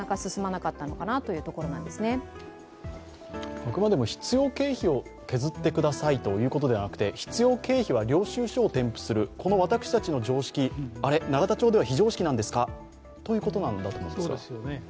あくまでも必要経費を削ってくださいということでなくて必要経費は領収書を添付するこの私たちの常識あれ、永田町では非常識なんですかということだと思うんですが。